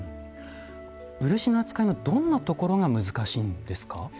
漆の扱いのどんなところが難しいんですか？